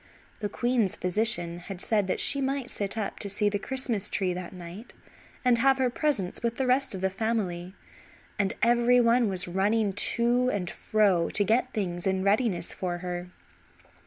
The queen's physician had said that she might sit up to see the Christmas Tree that night, and have her presents with the rest of the family; and every one was running to and fro to get things in readiness for her.